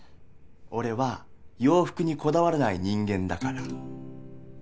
俺は洋服にこだわらない人間だから。